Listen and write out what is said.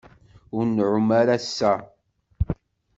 Ur nɛum ara ass-a.